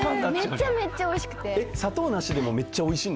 めちゃめちゃおいしくて。